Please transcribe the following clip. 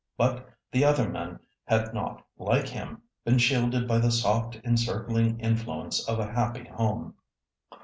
But the other men had not, like him, been shielded by the soft encircling influence of a happy home.